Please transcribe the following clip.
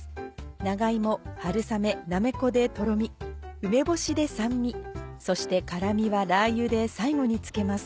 長芋春雨なめこでトロミ梅干しで酸味そして辛みはラー油で最後に付けます。